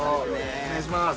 お願いします。